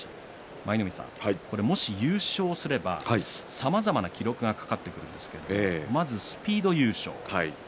舞の海さん、もし優勝すればさまざまな記録がかかってくるんですけどまずスピード優勝。